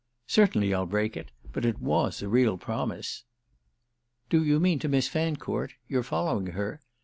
"Certainly I'll break it—but it was a real promise." "Do you mean to Miss Fancourt? You're following her?"